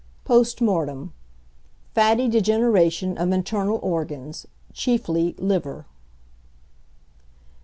Post Mortem. Fatty degeneration of internal organs, chiefly liver.